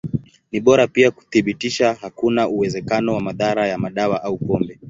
Ni bora pia kuthibitisha hakuna uwezekano wa madhara ya madawa au pombe.